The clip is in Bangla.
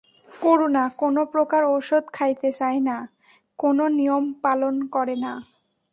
করুণা কোনো প্রকার ঔষধ খাইতে চায় না, কোনো নিয়ম পালন করে না।